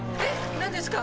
何ですか？